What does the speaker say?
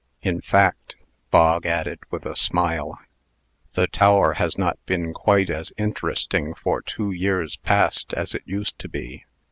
In fact," Bog added, with a smile, "the tower has not been quite as interesting for two years past as it used to be.